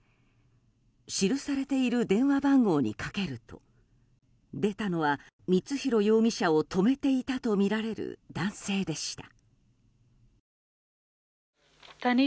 記されている電話番号にかけると出たのは光弘容疑者を泊めていたとみられる男性でした。